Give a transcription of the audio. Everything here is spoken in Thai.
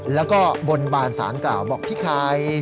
แล้วก็บนบานสารกล่าวบอกพี่ไข่